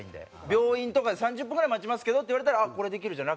病院とかで「３０分ぐらい待ちますけど」って言われたら「これできるじゃん。